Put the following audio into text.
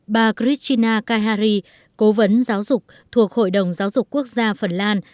bà kristina kajari cố vấn giáo dục thuộc hội đồng giáo dục quốc gia phần lan